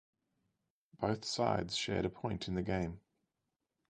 Both sides shared a point in the game.